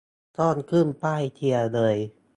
ต้องขึ้นป้ายเชียร์เลย